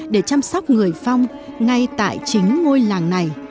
để chăm sóc người phong ngay tại chính ngôi làng này